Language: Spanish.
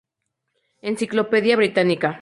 Encyclopædia Britannica